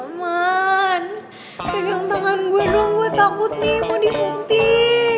roman pegang tangan gua dong gua takut nih mau disuntik